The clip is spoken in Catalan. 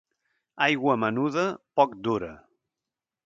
Aigua menuda, poc dura.